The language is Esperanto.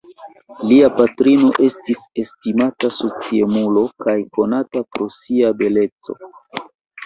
Lia patrino estis estimata sociemulo kaj konata pro sia beleco.